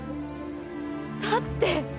だって。